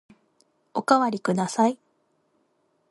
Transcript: おかわりください。